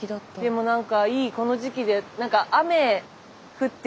でもなんかいいこの時期で。